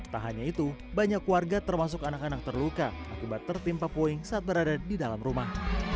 tak hanya itu banyak warga termasuk anak anak terluka akibat tertimpa puing saat berada di dalam rumah